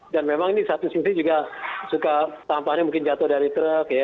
dan memang ini di satu sisi juga suka sampahnya mungkin jatuh dari truk ya